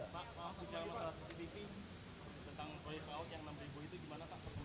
tentang proyek laut yang enam ribu itu gimana pak